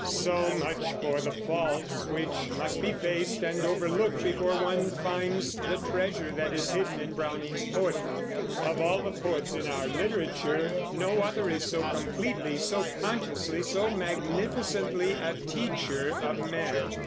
So much for the faults, which must be faced and overlooked before one finds the treasure that is hidden in Browning's poetry. Of all the poets in our literature, no other is so completely, so consciously, so magnificently a teacher of men.